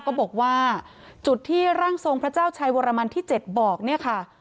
ก็บอกว่าจุดที่ร่างทรงพระเจ้าชัยวรมันที่๗บอกเนี่ยค่ะ